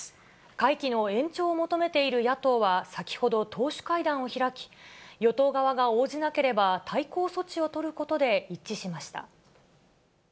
会期の延長を求めている野党は、先ほど党首会談を開き、与党側が応じなければ、対抗措置を取ることで一致しました。